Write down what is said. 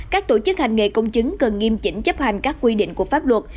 các tổ chức hành nghề công chứng cần nghiêm chỉnh chấp hành các quy định của pháp luật